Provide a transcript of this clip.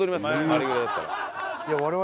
あれぐらいだったら。